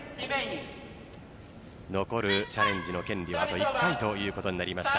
残るチャレンジの権利はあと１回ということになりました。